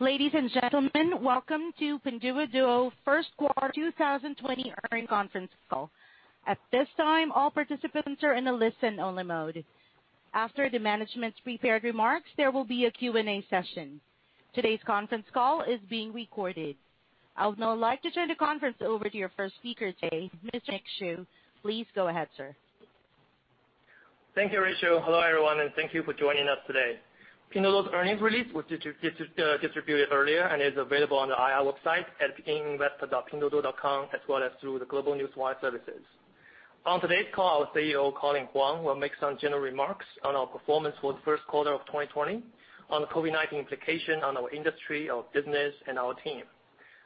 Ladies and gentlemen, welcome to Pinduoduo first quarter 2020 earnings conference call. At this time, all participants are in a listen-only mode. After the management's prepared remarks, there will be a Q&A session. Today's conference call is being recorded. I would now like to turn the conference over to your first speaker today, Mr. Nick Shu. Please go ahead, sir. Thank you, Rachel. Hello, everyone, and thank you for joining us today. Pinduoduo's earnings release was distributed earlier and is available on the IR website at investor.pdd.com, as well as through the global newswire services. On today's call, our CEO, Colin Huang, will make some general remarks on our performance for the first quarter of 2020, on the COVID-19 implication on our industry, our business, and our team.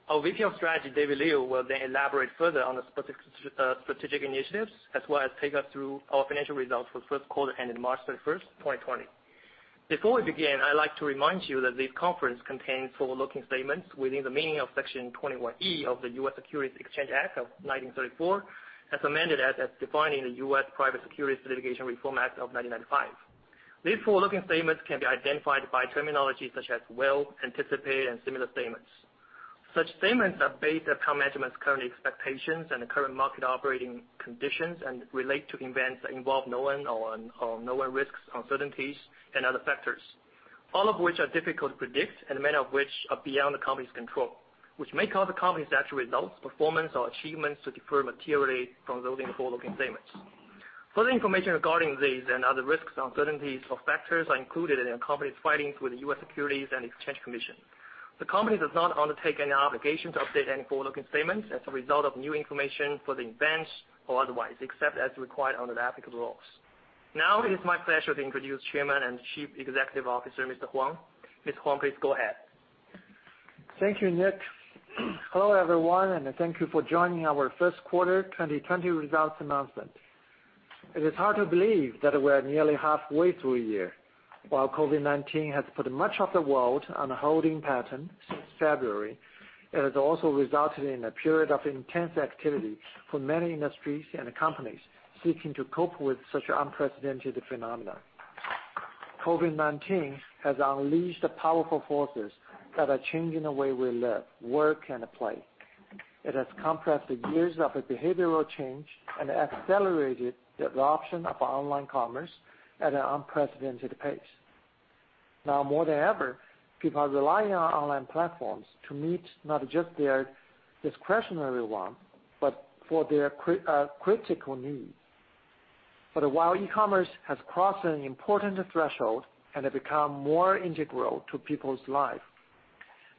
Our VP of Strategy, David Liu, will then elaborate further on the strategic initiatives, as well as take us through our financial results for the first quarter ending March 31st, 2020. Before we begin, I'd like to remind you that this conference contains forward-looking statements within the meaning of Section 21E of the U.S. Securities Exchange Act of 1934, as amended, as defining the U.S. Private Securities Litigation Reform Act of 1995. These forward-looking statements can be identified by terminology such as will, anticipate, and similar statements. Such statements are based upon management's current expectations and the current market operating conditions and relate to events that involve known or unknown risks, uncertainties, and other factors, all of which are difficult to predict and many of which are beyond the company's control, which may cause the company's actual results, performance, or achievements to differ materially from those in the forward-looking statements. Further information regarding these and other risks, uncertainties, or factors are included in the company's filings with the U.S. Securities and Exchange Commission. The company does not undertake any obligation to update any forward-looking statements as a result of new information, further events or otherwise, except as required under the applicable laws. Now, it is my pleasure to introduce Chairman and Chief Executive Officer, Mr. Huang. Mr. Huang, please go ahead. Thank you, Nick. Hello, everyone, and thank you for joining our first quarter 2020 results announcement. It is hard to believe that we're nearly halfway through a year. While COVID-19 has put much of the world on a holding pattern since February, it has also resulted in a period of intense activity for many industries and companies seeking to cope with such unprecedented phenomena. COVID-19 has unleashed powerful forces that are changing the way we live, work, and play. It has compressed the years of a behavioral change and accelerated the adoption of online commerce at an unprecedented pace. Now more than ever, people are relying on online platforms to meet not just their discretionary want, but for their critical needs. While e-commerce has crossed an important threshold and have become more integral to people's life,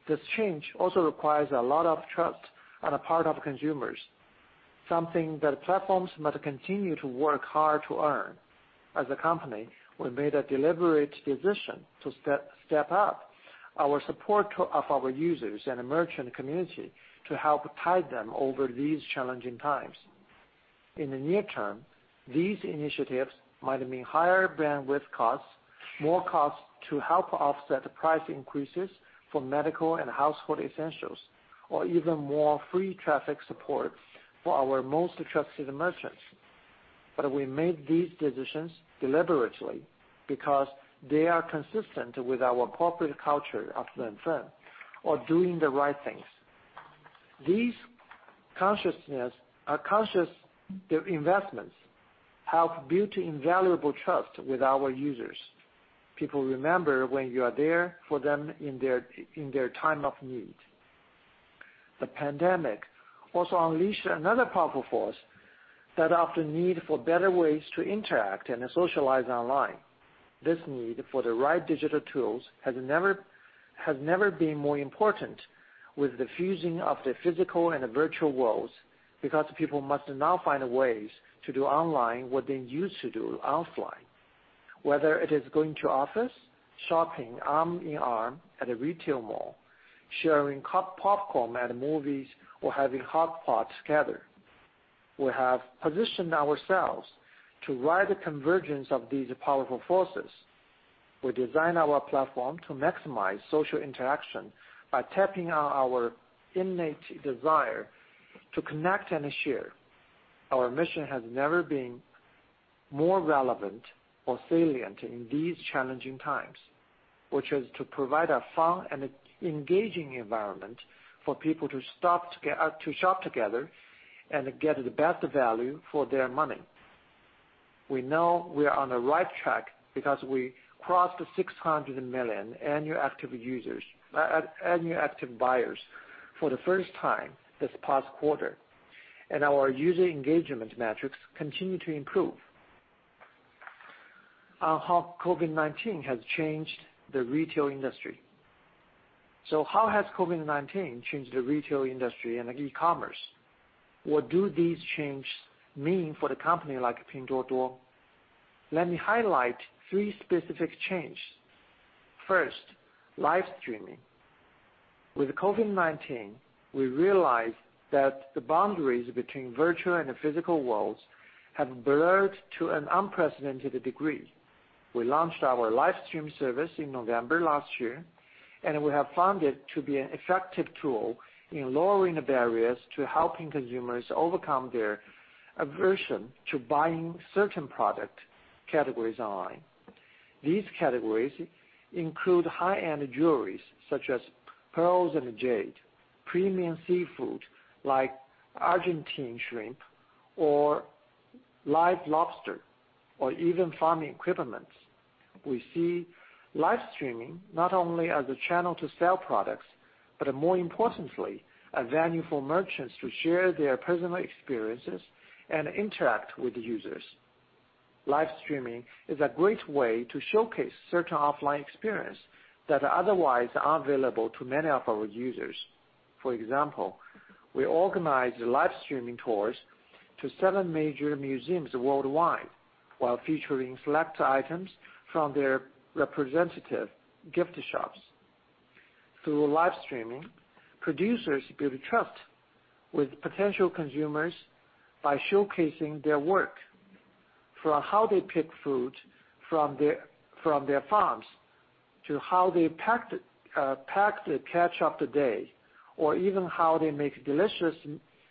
this change also requires a lot of trust on the part of consumers, something that platforms must continue to work hard to earn. As a company, we made a deliberate decision to step up our support of our users and merchant community to help tide them over these challenging times. In the near term, these initiatives might mean higher bandwidth costs, more costs to help offset price increases for medical and household essentials, or even more free traffic support for our most trusted merchants. We made these decisions deliberately because they are consistent with our corporate culture of the firm or doing the right things. These conscious investments help build invaluable trust with our users. People remember when you are there for them in their time of need. The pandemic also unleashed another powerful force that of the need for better ways to interact and socialize online. This need for the right digital tools has never been more important with the fusing of the physical and virtual worlds because people must now find ways to do online what they used to do offline. Whether it is going to office, shopping arm in arm at a retail mall, sharing popcorn at movies, or having hot pot together. We have positioned ourselves to ride the convergence of these powerful forces. We design our platform to maximize social interaction by tapping on our innate desire to connect and share. Our mission has never been more relevant or salient in these challenging times, which is to provide a fun and engaging environment for people to stop to shop together and get the best value for their money. We know we are on the right track because we crossed 600 million annual active users annual active buyers for the first time this past quarter, and our user engagement metrics continue to improve. On how COVID-19 has changed the retail industry. How has COVID-19 changed the retail industry and e-commerce? What do these changes mean for the company like Pinduoduo? Let me highlight three specific changes. First, live streaming. With COVID-19, we realized that the boundaries between virtual and physical worlds have blurred to an unprecedented degree. We launched our live stream service in November last year. We have found it to be an effective tool in lowering the barriers to helping consumers overcome their aversion to buying certain product categories online. These categories include high-end jewelries such as pearls and jade, premium seafood like Argentine shrimp or live lobster, or even farming equipments. We see live streaming not only as a channel to sell products. More importantly, a venue for merchants to share their personal experiences and interact with users. Live streaming is a great way to showcase certain offline experience that otherwise aren't available to many of our users. For example, we organized live streaming tours to seven major museums worldwide while featuring select items from their representative gift shops. Through live streaming, producers build trust with potential consumers by showcasing their work, from how they pick food from their farms, to how they pack the catch of the day, or even how they make delicious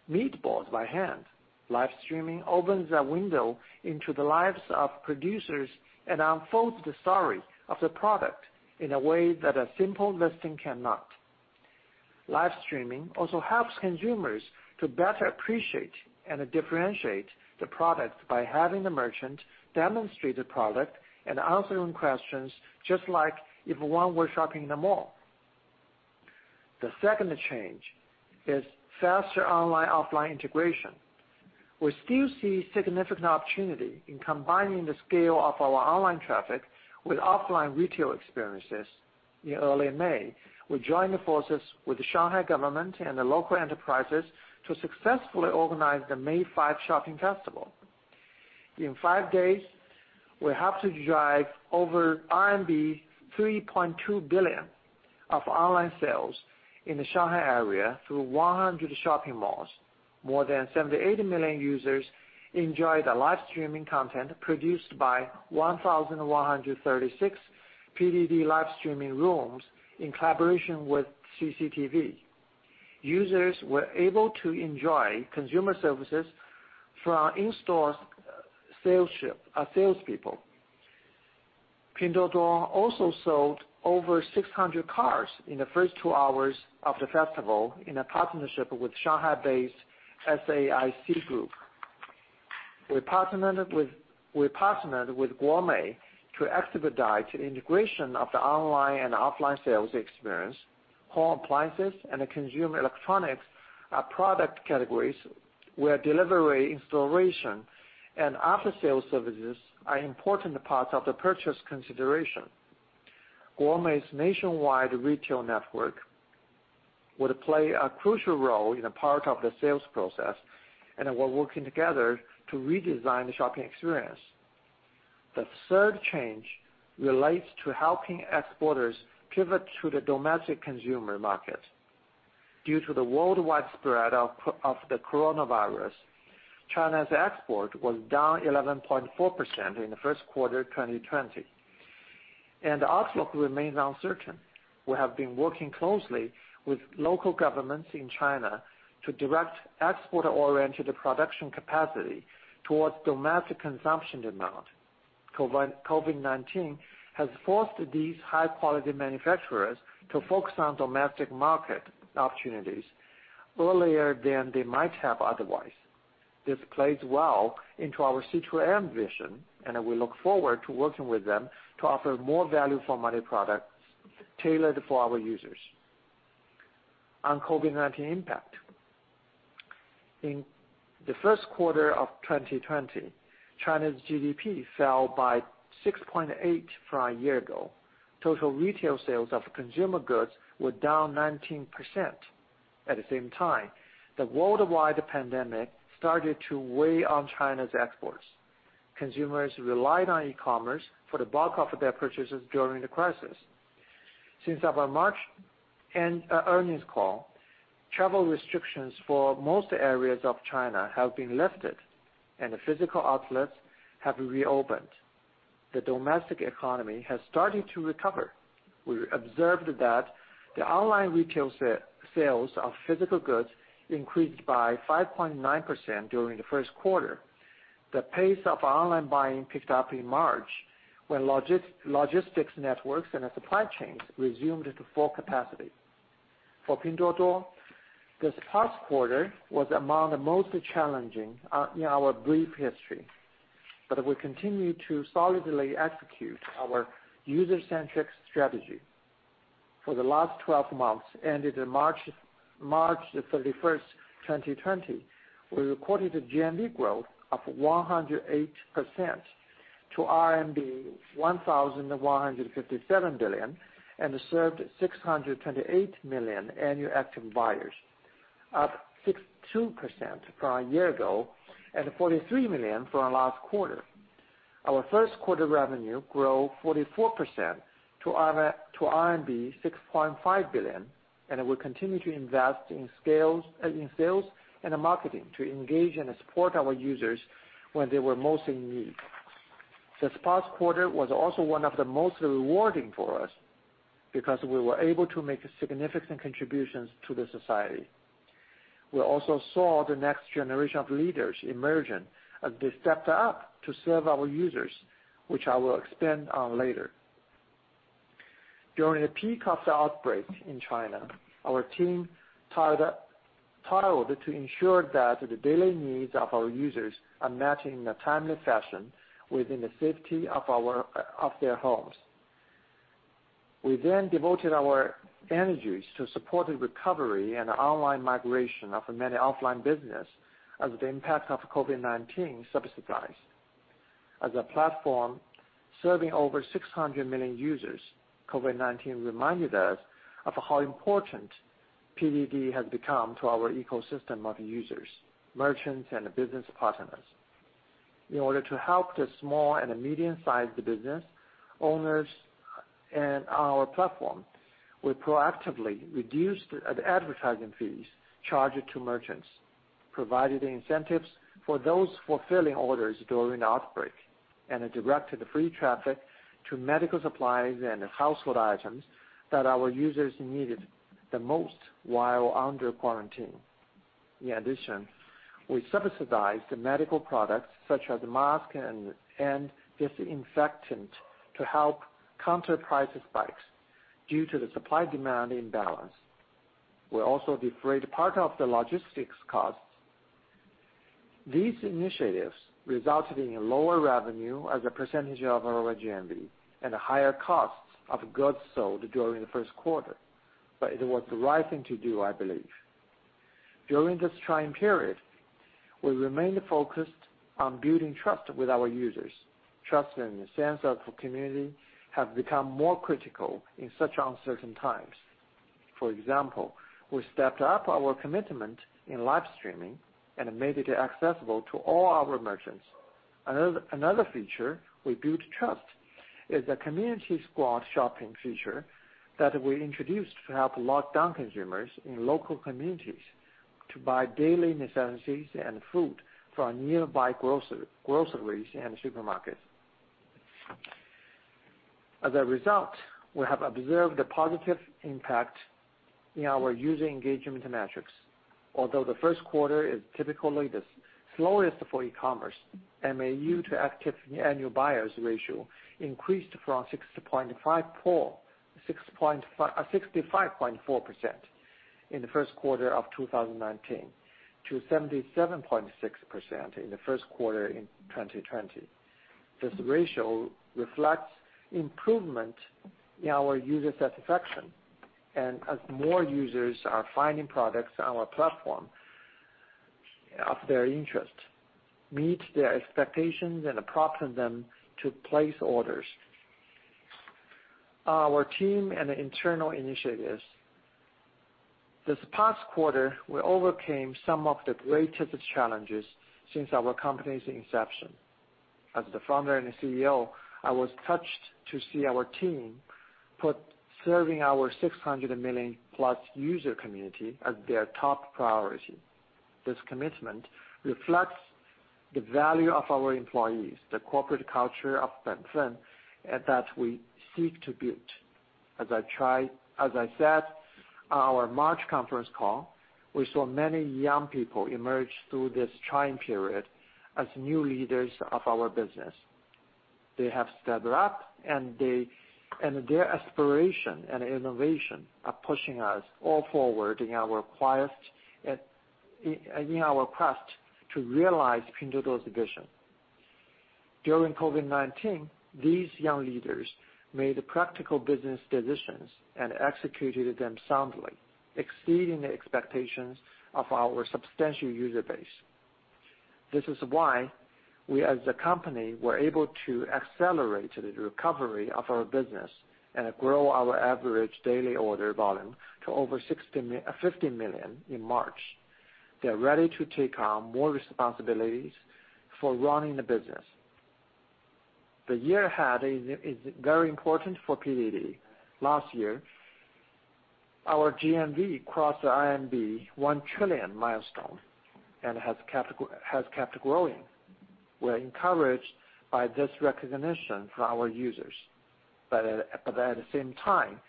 meatballs by hand. Live streaming opens a window into the lives of producers and unfolds the story of the product in a way that a simple listing cannot. Live streaming also helps consumers to better appreciate and differentiate the product by having the merchant demonstrate the product and answering questions just like if one were shopping in the mall. The second change is faster online-offline integration. We still see significant opportunity in combining the scale of our online traffic with offline retail experiences. In early May, we joined forces with the Shanghai government and the local enterprises to successfully organize the Double Five Shopping Festival. In five days, we helped to drive over RMB 3.2 billion of online sales in the Shanghai area through 100 shopping malls. More than 70 million-80 million users enjoyed the live streaming content produced by 1,136 PDD live streaming rooms in collaboration with CCTV. Users were able to enjoy consumer services from in-store salespeople. Pinduoduo also sold over 600 cars in the first two hours of the festival in a partnership with Shanghai-based SAIC Group. We partnered with GOME to expedite the integration of the online and offline sales experience. Home appliances and consumer electronics are product categories where delivery, installation, and after-sales services are important parts of the purchase consideration. GOME's nationwide retail network would play a crucial role in a part of the sales process, and we're working together to redesign the shopping experience. The third change relates to helping exporters pivot to the domestic consumer market. Due to the worldwide spread of the coronavirus, China's export was down 11.4% in the first quarter 2020, and the outlook remains uncertain. We have been working closely with local governments in China to direct exporter-oriented production capacity towards domestic consumption demand. COVID-19 has forced these high-quality manufacturers to focus on domestic market opportunities earlier than they might have otherwise. This plays well into our C2M vision, and we look forward to working with them to offer more value-for-money products tailored for our users. On COVID-19 impact. In the first quarter of 2020, China's GDP fell by 6.8% from a year ago. Total retail sales of consumer goods were down 19%. At the same time, the worldwide pandemic started to weigh on China's exports. Consumers relied on e-commerce for the bulk of their purchases during the crisis. Since our March-end earnings call, travel restrictions for most areas of China have been lifted, and the physical outlets have reopened. The domestic economy has started to recover. We observed that the online retail sales of physical goods increased by 5.9% during the first quarter. The pace of online buying picked up in March, when logistics networks and the supply chains resumed to full capacity. For Pinduoduo, this past quarter was among the most challenging in our brief history, but we continued to solidly execute our user-centric strategy. For the last 12 months, ended in March 31st, 2020, we recorded a GMV growth of 108% to RMB 1,157 billion and served 628 million annual active buyers, up 62% from a year ago and 43 million from last quarter. Our first quarter revenue grew 44% to RMB 6.5 billion. We continued to invest in scale, in sales and marketing to engage and support our users when they were most in need. This past quarter was also one of the most rewarding for us because we were able to make significant contributions to the society. We also saw the next generation of leaders emerging as they stepped up to serve our users, which I will expand on later. During the peak of the outbreak in China, our team tirelessly toiled to ensure that the daily needs of our users are met in a timely fashion within the safety of their homes. We devoted our energies to support the recovery and online migration of many offline business as the impact of COVID-19 subsided. As a platform serving over 600 million users, COVID-19 reminded us of how important PDD has become to our ecosystem of users, merchants, and business partners. In order to help the small and the medium-sized business owners in our platform, we proactively reduced the advertising fees charged to merchants, provided incentives for those fulfilling orders during the outbreak, and directed the free traffic to medical supplies and household items that our users needed the most while under quarantine. In addition, we subsidized the medical products such as mask and disinfectant to help counter price spikes due to the supply-demand imbalance. We also defrayed part of the logistics costs. These initiatives resulted in lower revenue as a percentage of our GMV and higher costs of goods sold during the first quarter. It was the right thing to do, I believe. During this trying period, we remained focused on building trust with our users. Trust and a sense of community have become more critical in such uncertain times. For example, we stepped up our commitment in live streaming and made it accessible to all our merchants. Another feature we built trust is the community squad shopping feature that we introduced to help lockdown consumers in local communities to buy daily necessities and food from nearby groceries and supermarkets. As a result, we have observed the positive impact in our user engagement metrics. Although the first quarter is typically the slowest for e-commerce, MAU to active annual buyers ratio increased from 65.4% in the first quarter of 2019 to 77.6% in the first quarter in 2020. This ratio reflects improvement in our user satisfaction and as more users are finding products on our platform of their interest, meet their expectations, and prompts them to place orders. Our team and internal initiatives. This past quarter, we overcame some of the greatest challenges since our company's inception. As the founder and CEO, I was touched to see our team put serving our 600+ million user community as their top priority. This commitment reflects the value of our employees, the corporate culture of Pinduoduo, and that we seek to build. As I said on our March conference call, we saw many young people emerge through this trying period as new leaders of our business. They have stepped up, and they, and their aspiration and innovation are pushing us all forward in our quest, in our quest to realize Pinduoduo's vision. During COVID-19, these young leaders made practical business decisions and executed them soundly, exceeding the expectations of our substantial user base. This is why we, as a company, were able to accelerate the recovery of our business and grow our average daily order volume to over 50 million in March. They're ready to take on more responsibilities for running the business. The year ahead is very important for PDD. Last year, our GMV crossed the 1 trillion milestone and has kept growing. We're encouraged by this recognition from our users. At the same time,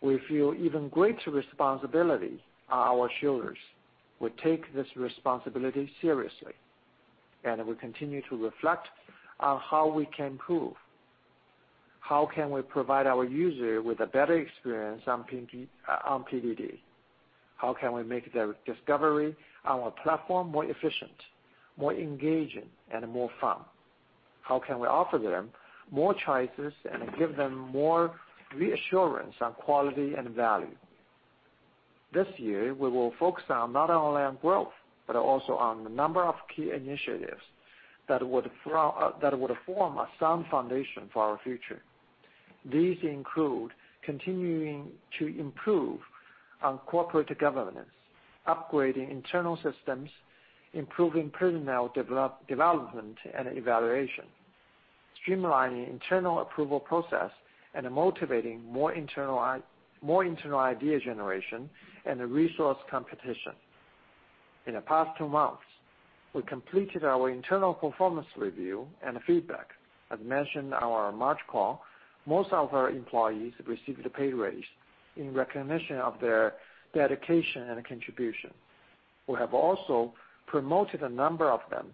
we feel even greater responsibility on our shareholders. We take this responsibility seriously, and we continue to reflect on how we can improve. How can we provide our user with a better experience on PDD? How can we make the discovery on our platform more efficient, more engaging, and more fun? How can we offer them more choices and give them more reassurance on quality and value? This year, we will focus on not only on growth, but also on the number of key initiatives that would form a sound foundation for our future. These include continuing to improve on corporate governance, upgrading internal systems, improving personnel development and evaluation, streamlining internal approval process, and motivating more internal idea generation and resource competition. In the past two months, we completed our internal performance review and feedback. As mentioned in our March call, most of our employees received a pay raise in recognition of their dedication and contribution. We have also promoted a number of them.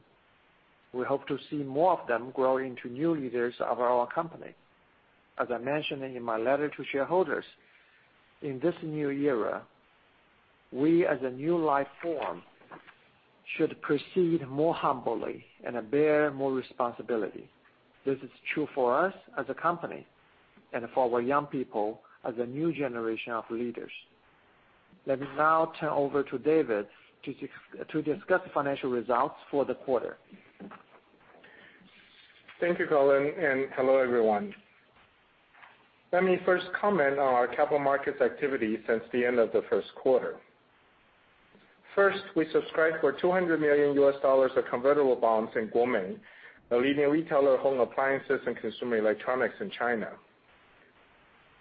We hope to see more of them grow into new leaders of our company. As I mentioned in my letter to shareholders, in this new era, we, as a new life form, should proceed more humbly and bear more responsibility. This is true for us as a company and for our young people as a new generation of leaders. Let me now turn over to David to discuss the financial results for the quarter. Thank you, Colin, and hello, everyone. Let me first comment on our capital markets activity since the end of the first quarter. First, we subscribed for $200 million of convertible bonds in GOME Retail, a leading retailer of home appliances and consumer electronics in China.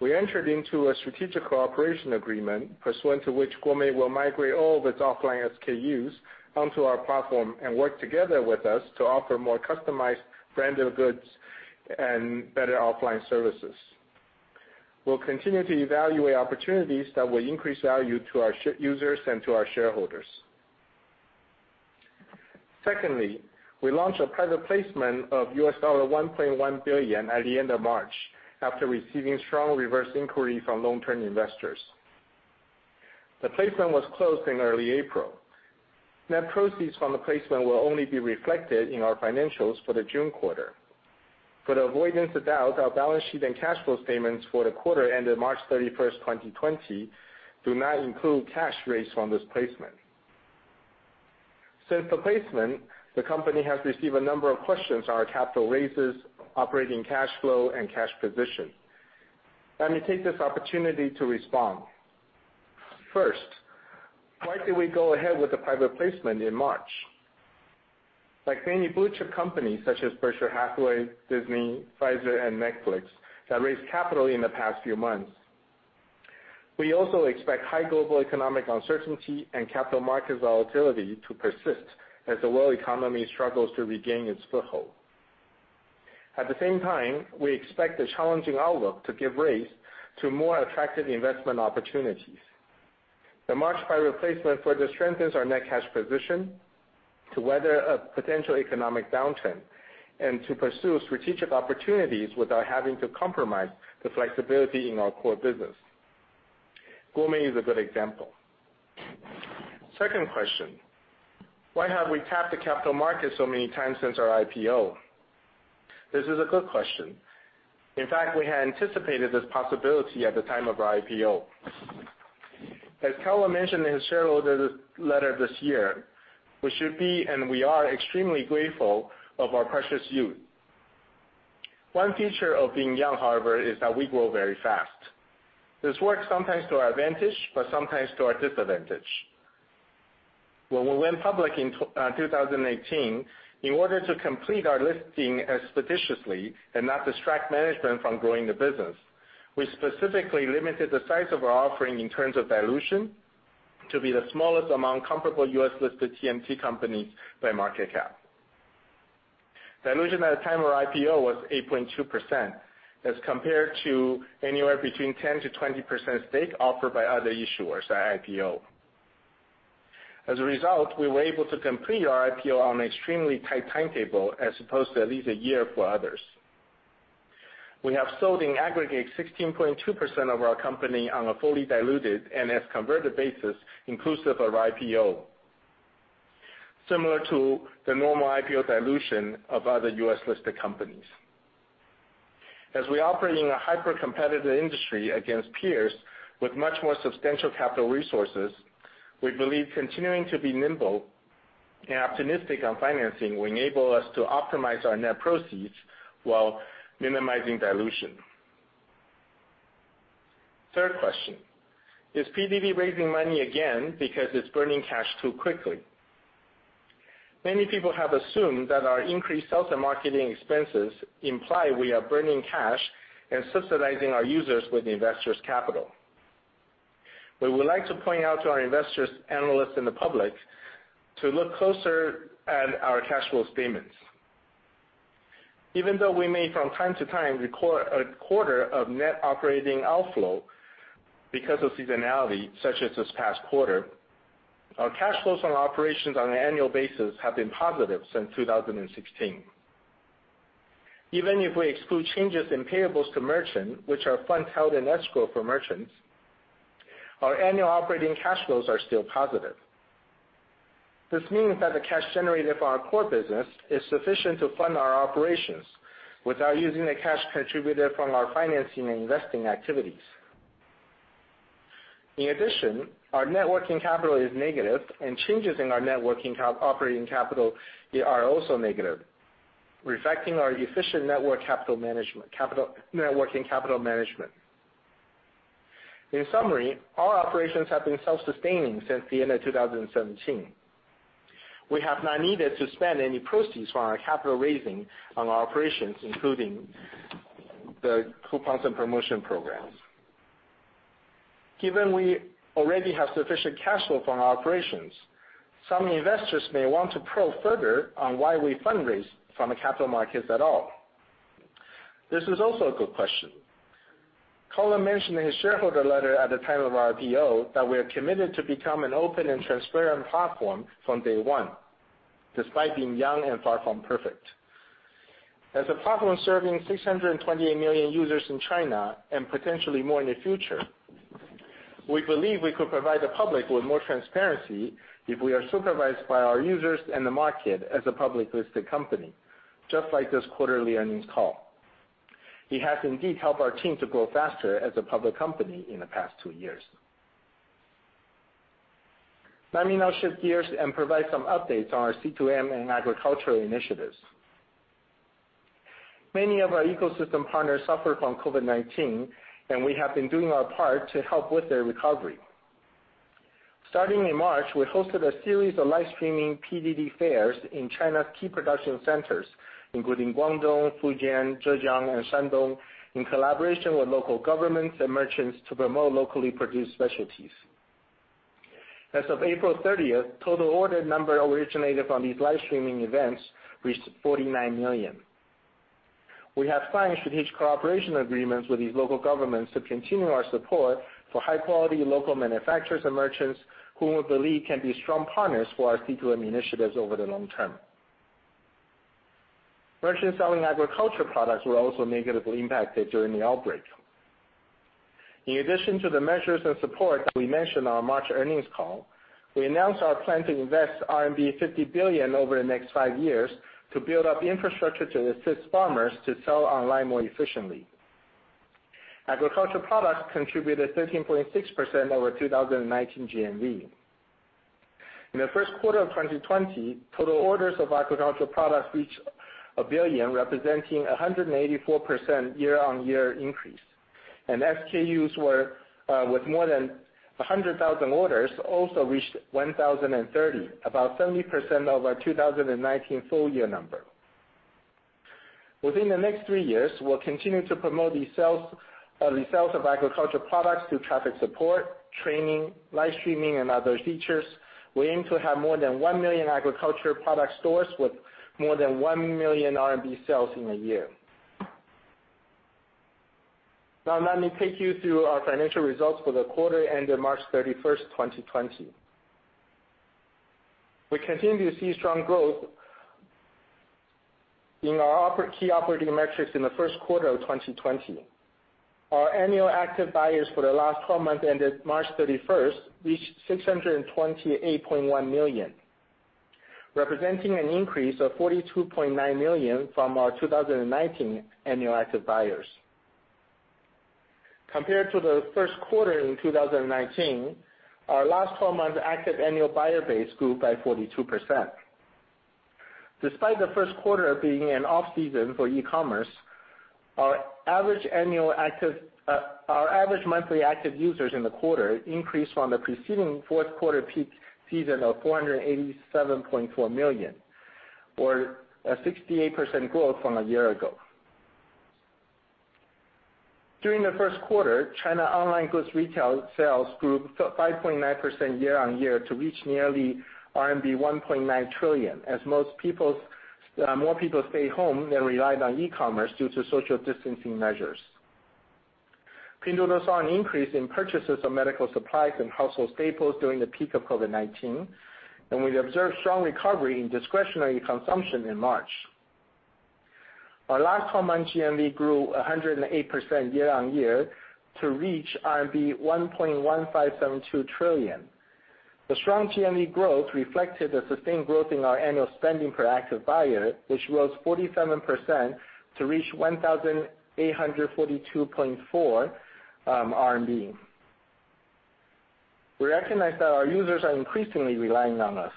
We entered into a strategic cooperation agreement pursuant to which GOME Retail will migrate all of its offline SKUs onto our platform and work together with us to offer more customized branded goods and better offline services. We'll continue to evaluate opportunities that will increase value to our users and to our shareholders. Secondly, we launched a private placement of $1.1 billion at the end of March after receiving strong reverse inquiry from long-term investors. The placement was closed in early April. Net proceeds from the placement will only be reflected in our financials for the June quarter. For the avoidance of doubt, our balance sheet and cash flow statements for the quarter ended March 31st, 2020 do not include cash raised from this placement. Since the placement, the company has received a number of questions on our capital raises, operating cash flow, and cash position. Let me take this opportunity to respond. First, why did we go ahead with the private placement in March? Like many blue-chip companies such as Berkshire Hathaway, Disney, Pfizer, and Netflix that raised capital in the past few months, we also expect high global economic uncertainty and capital market volatility to persist as the world economy struggles to regain its foothold. At the same time, we expect the challenging outlook to give rise to more attractive investment opportunities. The March private placement further strengthens our net cash position to weather a potential economic downturn and to pursue strategic opportunities without having to compromise the flexibility in our core business. GOME is a good example. Second question: Why have we tapped the capital market so many times since our IPO? This is a good question. In fact, we had anticipated this possibility at the time of our IPO. As Colin mentioned in his shareholder letter this year, we should be, and we are, extremely grateful of our precious youth. One feature of being young, however, is that we grow very fast. This works sometimes to our advantage, but sometimes to our disadvantage. When we went public in 2018, in order to complete our listing as expeditiously and not distract management from growing the business, we specifically limited the size of our offering in terms of dilution to be the smallest among comparable U.S.-listed TMT companies by market cap. Dilution at the time of our IPO was 8.2% as compared to anywhere between 10%-20% stake offered by other issuers at IPO. As a result, we were able to complete our IPO on an extremely tight timetable as opposed to at least a year for others. We have sold, in aggregate, 16.2% of our company on a fully diluted and as converted basis inclusive of our IPO, similar to the normal IPO dilution of other U.S.-listed companies. As we operate in a hyper-competitive industry against peers with much more substantial capital resources, we believe continuing to be nimble and optimistic on financing will enable us to optimize our net proceeds while minimizing dilution. Third question: Is PDD raising money again because it's burning cash too quickly? Many people have assumed that our increased sales and marketing expenses imply we are burning cash and subsidizing our users with the investors' capital. We would like to point out to our investors, analysts, and the public to look closer at our cash flow statements. Even though we may, from time to time, record a quarter of net operating outflow because of seasonality, such as this past quarter, our cash flows from operations on an annual basis have been positive since 2016. Even if we exclude changes in payables to merchant, which are funds held in escrow for merchants, our annual operating cash flows are still positive. This means that the cash generated from our core business is sufficient to fund our operations without using the cash contributed from our financing and investing activities. In addition, our net working capital is negative, and changes in our operating capital are also negative, reflecting our efficient network and capital management. In summary, our operations have been self-sustaining since the end of 2017. We have not needed to spend any proceeds from our capital raising on our operations, including the coupons and promotion programs. Given we already have sufficient cash flow from our operations, some investors may want to probe further on why we fundraise from the capital markets at all. This is also a good question. Colin mentioned in his shareholder letter at the time of our IPO that we are committed to become an open and transparent platform from day one, despite being young and far from perfect. As a platform serving 628 million users in China and potentially more in the future, we believe we could provide the public with more transparency if we are supervised by our users and the market as a public listed company, just like this quarterly earnings call. It has indeed helped our team to grow faster as a public company in the past two years. Let me now shift gears and provide some updates on our C2M and agricultural initiatives. Many of our ecosystem partners suffered from COVID-19, and we have been doing our part to help with their recovery. Starting in March, we hosted a series of live streaming PDD fairs in China's key production centers, including Guangdong, Fujian, Zhejiang, and Shandong, in collaboration with local governments and merchants to promote locally produced specialties. As of April 30th, total order number originated from these live streaming events reached 49 million. We have signed strategic cooperation agreements with these local governments to continue our support for high-quality local manufacturers and merchants who we believe can be strong partners for our C2M initiatives over the long term. Merchants selling agriculture products were also negatively impacted during the outbreak. In addition to the measures and support we mentioned on our March earnings call, we announced our plan to invest RMB 50 billion over the next five years to build up infrastructure to assist farmers to sell online more efficiently. Agriculture products contributed 13.6% over 2019 GMV. In the first quarter of 2020, total orders of agricultural products reached 1 billion, representing a 184% year-on-year increase. SKUs with more than 100,000 orders also reached 1,030, about 70% of our 2019 full year number. Within the next three years, we'll continue to promote the sales of agriculture products through traffic support, training, live streaming, and other features. We aim to have more than 1 million agriculture product stores with more than 1 million RMB sales in a year. Now let me take you through our financial results for the quarter ended March 31st, 2020. We continue to see strong growth in our key operating metrics in the first quarter of 2020. Our annual active buyers for the last 12 months ended March 31st, reached 628.1 million, representing an increase of 42.9 million from our 2019 annual active buyers. Compared to the first quarter in 2019, our last 12 months active annual buyer base grew by 42%. Despite the first quarter being an off-season for e-commerce, our average monthly active users in the quarter increased from the preceding fourth quarter peak season of 487.4 million, or a 68% growth from a year ago. During the first quarter, China online goods retail sales grew 5.9% year-on-year to reach nearly RMB 1.9 trillion as most peoples, more people stayed home and relied on e-commerce due to social distancing measures. Pinduoduo saw an increase in purchases of medical supplies and household staples during the peak of COVID-19, and we observed strong recovery in discretionary consumption in March. Our last 12-month GMV grew 108% year-on-year to reach RMB 1.1572 trillion. The strong GMV growth reflected the sustained growth in our annual spending per active buyer, which rose 47% to reach RMB 1,842.4. We recognize that our users are increasingly relying on us.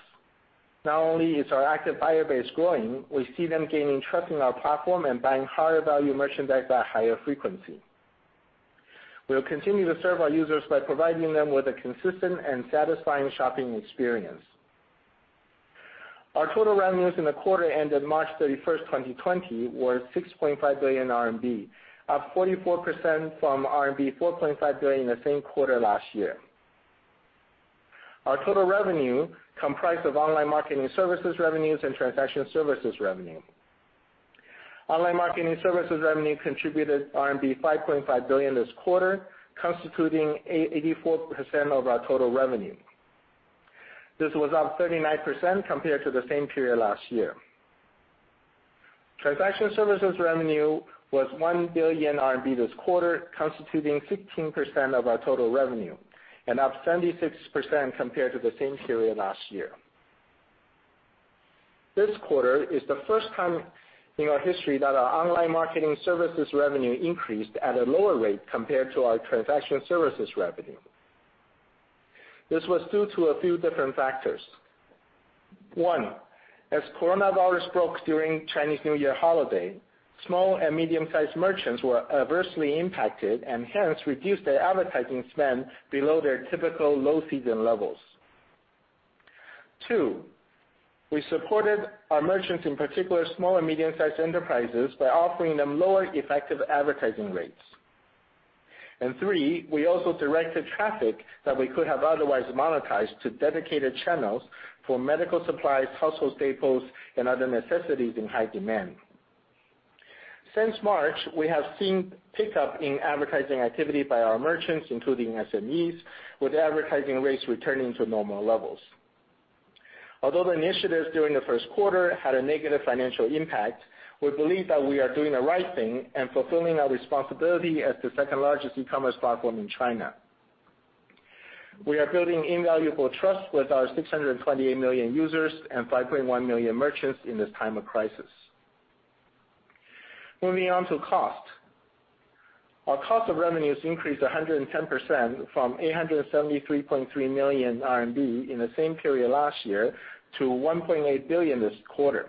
Not only is our active buyer base growing, we see them gaining trust in our platform and buying higher value merchandise at higher frequency. We will continue to serve our users by providing them with a consistent and satisfying shopping experience. Our total revenues in the quarter ended March 31st, 2020 were 6.5 billion RMB, up 44% from RMB 4.5 billion in the same quarter last year. Our total revenue comprised of online marketing services revenues and transaction services revenue. Online marketing services revenue contributed RMB 5.5 billion this quarter, constituting 84% of our total revenue. This was up 39% compared to the same period last year. Transaction services revenue was 1 billion RMB this quarter, constituting 16% of our total revenue, and up 76% compared to the same period last year. This quarter is the first time in our history that our online marketing services revenue increased at a lower rate compared to our transaction services revenue. This was due to a few different factors. One, as coronavirus broke during Chinese New Year holiday, small and medium-sized merchants were adversely impacted and hence reduced their advertising spend below their typical low season levels. Two, we supported our merchants, in particular small and medium-sized enterprises, by offering them lower effective advertising rates. Three, we also directed traffic that we could have otherwise monetized to dedicated channels for medical supplies, household staples, and other necessities in high demand. Since March, we have seen pickup in advertising activity by our merchants, including SMEs, with advertising rates returning to normal levels. Although the initiatives during the first quarter had a negative financial impact, we believe that we are doing the right thing and fulfilling our responsibility as the second-largest e-commerce platform in China. We are building invaluable trust with our 628 million users and 5.1 million merchants in this time of crisis. Moving on to cost. Our cost of revenues increased 110% from 873.3 million RMB in the same period last year to 1.8 billion this quarter.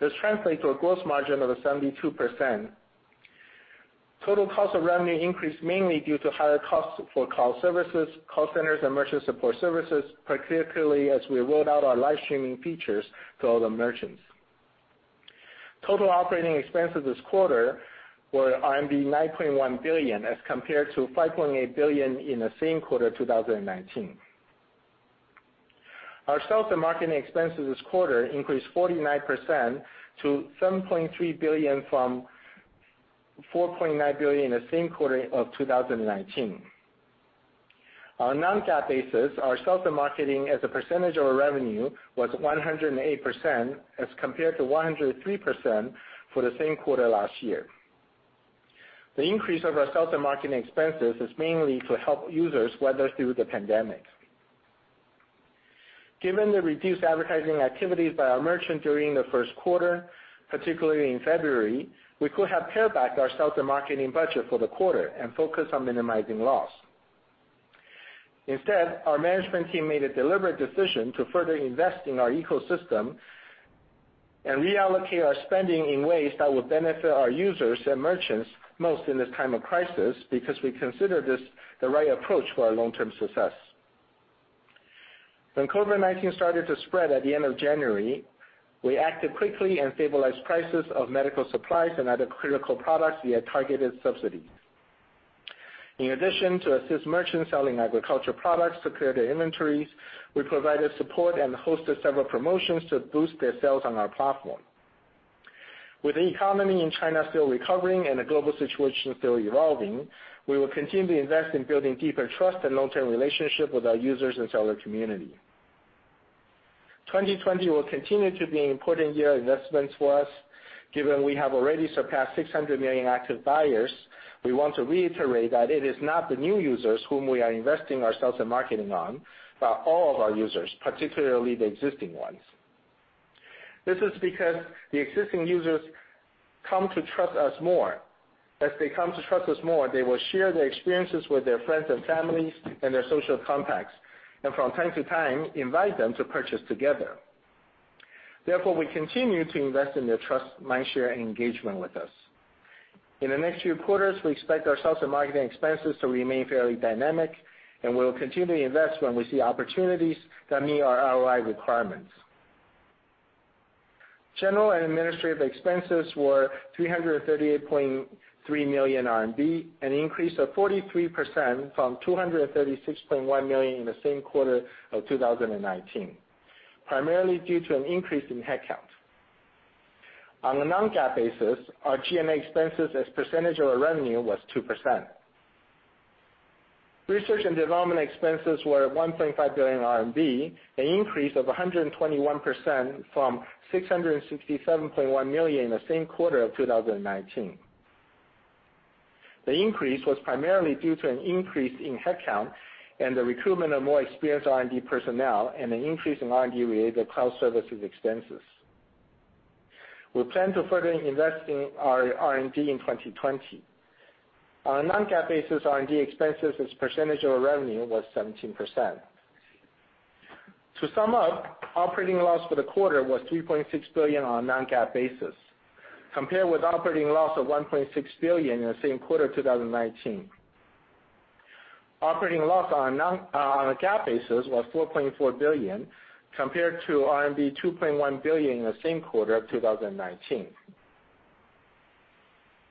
This translates to a gross margin of 72%. Total cost of revenue increased mainly due to higher costs for cloud services, call centers, and merchant support services, particularly as we rolled out our live streaming features to all the merchants. Total operating expenses this quarter were RMB 9.1 billion as compared to 5.8 billion in the same quarter 2019. Our sales and marketing expenses this quarter increased 49% to 7.3 billion from 4.9 billion in the same quarter of 2019. On a non-GAAP basis, our sales and marketing as a percentage of revenue was 108% as compared to 103% for the same quarter last year. The increase of our sales and marketing expenses is mainly to help users weather through the pandemic. Given the reduced advertising activities by our merchant during the first quarter, particularly in February, we could have pared back our sales and marketing budget for the quarter and focus on minimizing loss. Instead, our management team made a deliberate decision to further invest in our ecosystem and reallocate our spending in ways that will benefit our users and merchants most in this time of crisis, because we consider this the right approach for our long-term success. When COVID-19 started to spread at the end of January, we acted quickly and stabilized prices of medical supplies and other critical products via targeted subsidies. In addition to assist merchants selling agriculture products to clear their inventories, we provided support and hosted several promotions to boost their sales on our platform. With the economy in China still recovering and the global situation still evolving, we will continue to invest in building deeper trust and long-term relationship with our users and seller community. 2020 will continue to be an important year of investment for us. Given we have already surpassed 600 million active buyers, we want to reiterate that it is not the new users whom we are investing our sales and marketing on, but all of our users, particularly the existing ones. This is because the existing users come to trust us more. As they come to trust us more, they will share their experiences with their friends and families and their social contacts, and from time to time invite them to purchase together. Therefore, we continue to invest in their trust, mind share, and engagement with us. In the next few quarters, we expect our sales and marketing expenses to remain fairly dynamic, and we will continue to invest when we see opportunities that meet our ROI requirements. General and administrative expenses were 338.3 million RMB, an increase of 43% from 236.1 million in the same quarter of 2019, primarily due to an increase in headcount. On a non-GAAP basis, our G&A expenses as percentage of our revenue was 2%. Research and development expenses were 1.5 billion RMB, an increase of 121% from 667.1 million in the same quarter of 2019. The increase was primarily due to an increase in headcount and the recruitment of more experienced R&D personnel and an increase in R&D-related cloud services expenses. We plan to further invest in our R&D in 2020. On a non-GAAP basis, R&D expenses as a percentage of our revenue was 17%. To sum up, operating loss for the quarter was 3.6 billion on a non-GAAP basis, compared with operating loss of 1.6 billion in the same quarter 2019. Operating loss on a GAAP basis was 4.4 billion, compared to RMB 2.1 billion in the same quarter of 2019.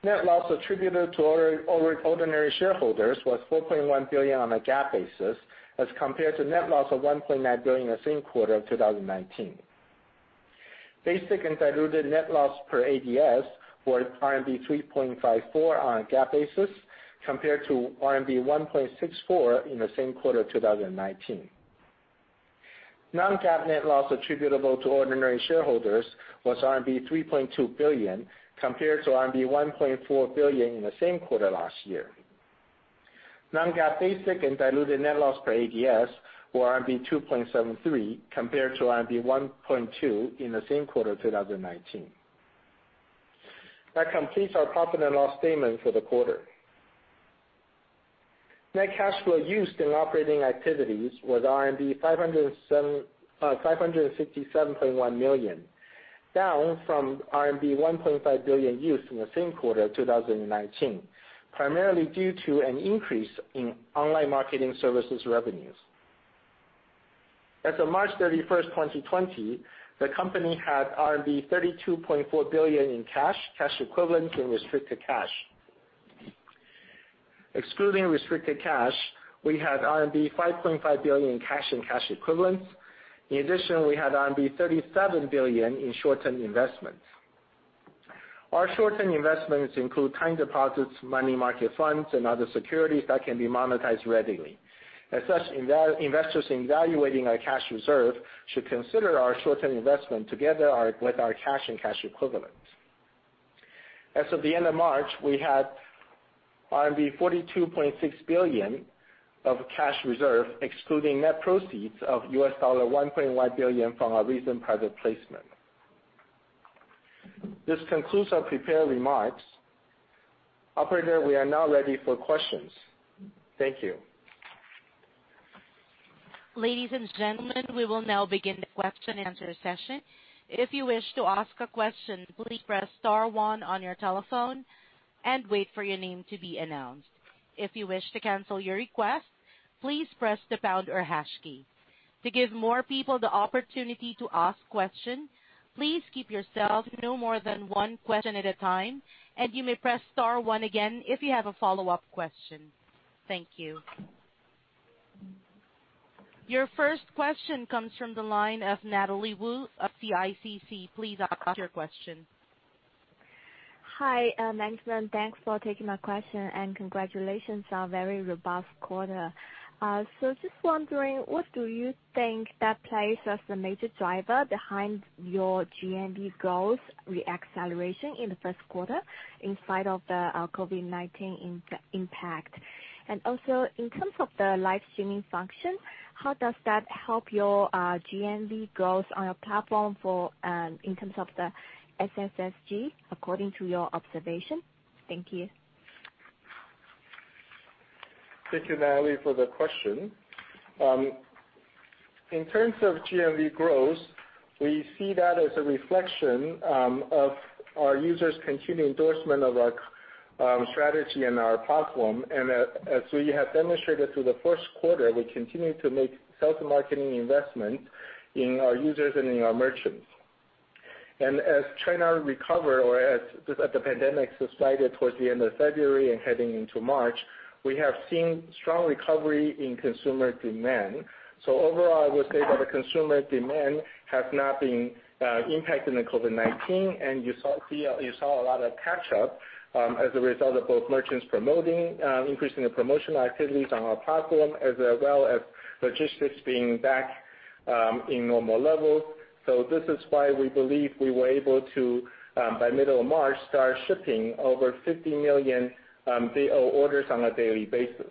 Net loss attributed to ordinary shareholders was 4.1 billion on a GAAP basis, as compared to net loss of 1.9 billion in the same quarter of 2019. Basic and diluted net loss per ADS was RMB 3.54 on a GAAP basis, compared to RMB 1.64 in the same quarter 2019. Non-GAAP net loss attributable to ordinary shareholders was RMB 3.2 billion, compared to RMB 1.4 billion in the same quarter last year. Non-GAAP basic and diluted net loss per ADS were RMB 2.73, compared to RMB 1.2 in the same quarter 2019. That completes our profit and loss statement for the quarter. Net cash flow used in operating activities was 567.1 million. Down from RMB 1.5 billion used in the same quarter 2019, primarily due to an increase in online marketing services revenues. As of March 31st, 2020, the company had RMB 32.4 billion in cash equivalents, and restricted cash. Excluding restricted cash, we had RMB 5.5 billion in cash and cash equivalents. In addition, we had RMB 37 billion in short-term investments. Our short-term investments include time deposits, money market funds, and other securities that can be monetized readily. As such, investors evaluating our cash reserve should consider our short-term investment together with our cash and cash equivalents. As of the end of March, we had RMB 42.6 billion of cash reserve excluding net proceeds of $1.1 billion from our recent private placement. This concludes our prepared remarks. Operator, we are now ready for questions. Thank you. Ladies and gentlemen, we will now begin the question and answer session. If you wish to ask a question, please press star one on your telephone and wait for your name to be announced. If you wish to cancel your request, please press the pound or hash key. To give more people the opportunity to ask question, please keep yourselves to no more than one question at a time, and you may press star one again if you have a follow-up question. Thank you. Your first question comes from the line of Natalie Wu of CICC. Please ask your question. Hi, management, thanks for taking my question, and congratulations on a very robust quarter. Just wondering, what do you think that plays as the major driver behind your GMV growth reacceleration in the first quarter in spite of the COVID-19 impact? In terms of the live streaming function, how does that help your GMV growth on your platform for in terms of the SSSG according to your observation? Thank you. Thank you, Natalie, for the question. In terms of GMV growth, we see that as a reflection of our users' continued endorsement of our strategy and our platform. As we have demonstrated through the first quarter, we continue to make sales and marketing investment in our users and in our merchants. As China recover or as the pandemic subsided towards the end of February and heading into March, we have seen strong recovery in consumer demand. Overall, I would say that the consumer demand has not been impacted in the COVID-19, and you saw a lot of catch-up as a result of both merchants promoting increasing their promotional activities on our platform, as well as logistics being back in normal levels. This is why we believe we were able to, by middle of March, start shipping over 50 million daily orders on a daily basis.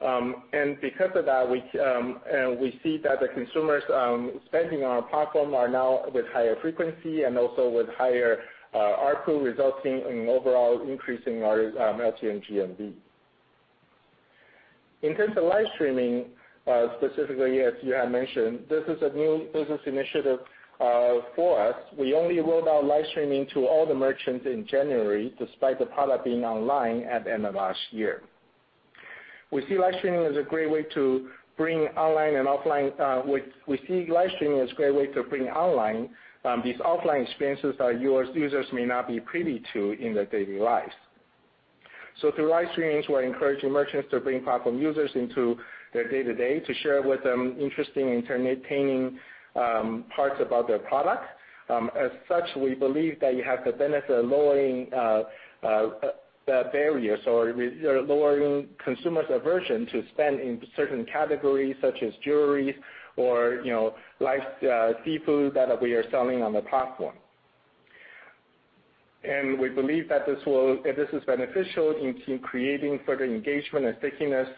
Because of that, we see that the consumers spending on our platform are now with higher frequency and also with higher ARPU, resulting in overall increase in our LTM GMV. In terms of live streaming, specifically as you have mentioned, this is a new business initiative for us. We only rolled out live streaming to all the merchants in January, despite the product being online at the end of last year. We see live streaming as a great way to bring online these offline experiences that your users may not be privy to in their daily lives. Through live streaming, we're encouraging merchants to bring platform users into their day-to-day to share with them interesting, entertaining parts about their product. As such, we believe that you have the benefit of lowering the barriers or lowering consumers' aversion to spend in certain categories such as jewelries or, you know, live seafood that we are selling on the platform. We believe that this will this is beneficial in creating further engagement and stickiness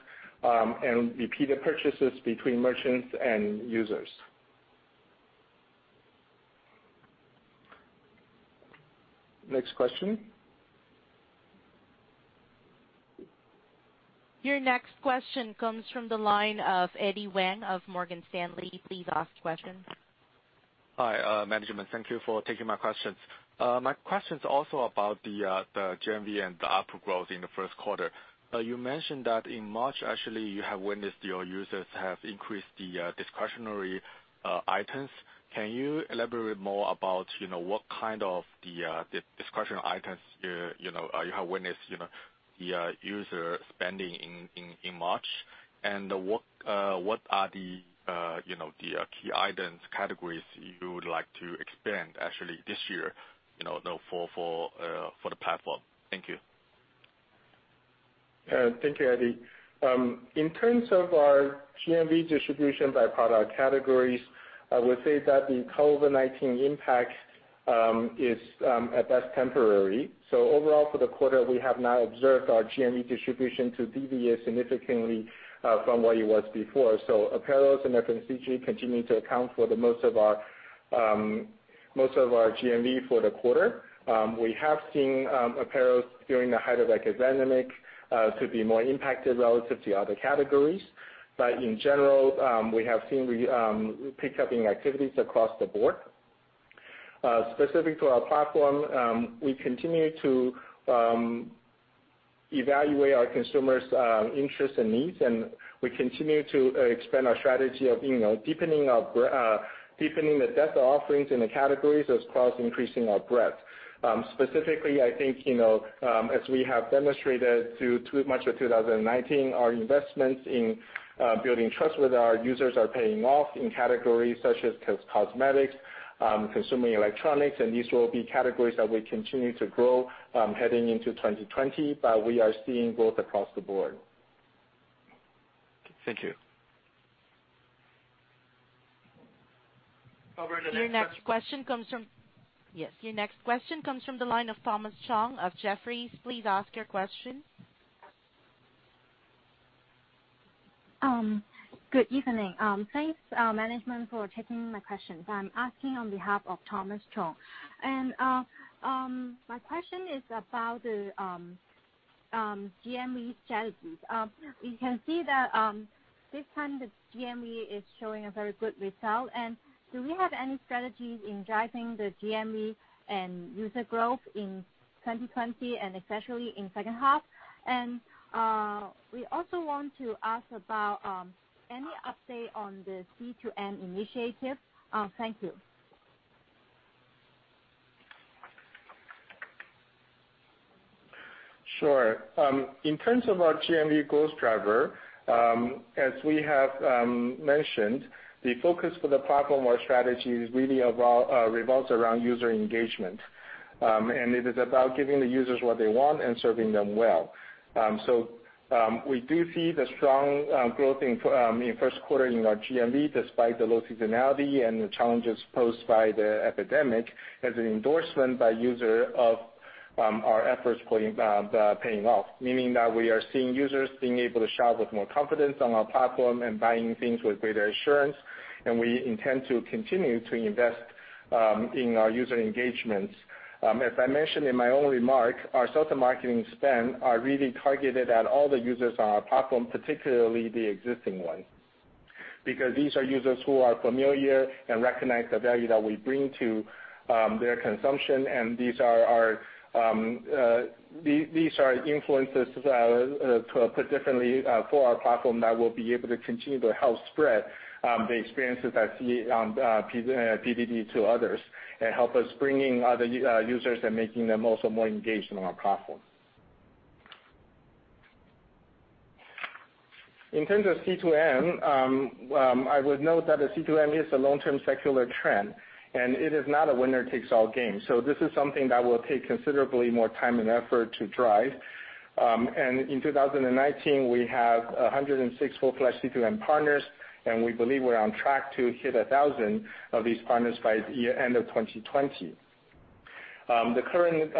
and repeated purchases between merchants and users. Next question. Your next question comes from the line of Eddy Wang of Morgan Stanley. Please ask question. Management, thank you for taking my questions. My question's also about the GMV and the ARPU growth in the first quarter. You mentioned that in March, actually, you have witnessed your users have increased the discretionary items. Can you elaborate more about, you know, what kind of the discretionary items, you know, you have witnessed, you know, the user spending in March? What are the, you know, key items, categories you would like to expand actually this year, you know, for the platform? Thank you. Thank you, Eddy. In terms of our GMV distribution by product categories, I would say that the COVID-19 impact is at best temporary. Overall for the quarter, we have not observed our GMV distribution to deviate significantly from what it was before. Apparels and FMCG continue to account for the most of our most of our GMV for the quarter. We have seen apparels during the height of, like, the pandemic to be more impacted relative to other categories. In general, we have seen pick-up in activities across the board. Specific to our platform, we continue to evaluate our consumers' interests and needs, and we continue to expand our strategy of, you know, deepening the depth of offerings in the categories as across increasing our breadth. Specifically, I think, you know, as we have demonstrated through to March of 2019, our investments in building trust with our users are paying off in categories such as cosmetics, consumer electronics, and these will be categories that we continue to grow, heading into 2020, but we are seeing growth across the board. Thank you. Operator, the next question. Your next question comes from the line of Thomas Chong of Jefferies. Please ask your question. Good evening. Thanks management for taking my questions. I'm asking on behalf of Thomas Chong. My question is about the GMV strategies. We can see that this time the GMV is showing a very good result. Do we have any strategies in driving the GMV and user growth in 2020, and especially in second half? We also want to ask about any update on the C2M initiative. Thank you. Sure. In terms of our GMV growth driver, as we have mentioned, the focus for the platform, our strategy really revolves around user engagement. It is about giving the users what they want and serving them well. We do see the strong growth in first quarter in our GMV despite the low seasonality and the challenges posed by the epidemic as an endorsement by user of our efforts paying off. Meaning that we are seeing users being able to shop with more confidence on our platform and buying things with greater assurance, and we intend to continue to invest in our user engagements. As I mentioned in my own remark, our social marketing spend are really targeted at all the users on our platform, particularly the existing ones. These are users who are familiar and recognize the value that we bring to their consumption. These are influencers, to put differently, for our platform that will be able to continue to help spread the experiences they see on PDD to others and help us bringing other users and making them also more engaged in our platform. In terms of C2M, I would note that a C2M is a long-term secular trend. It is not a winner-takes-all game. This is something that will take considerably more time and effort to drive. In 2019, we have 106 full plus C2M partners, and we believe we're on track to hit 1,000 of these partners by the year end of 2020. The current